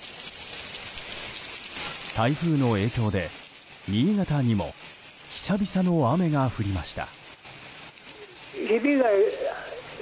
台風の影響で新潟にも久々の雨が降りました。